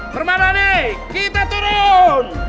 permana nih kita turun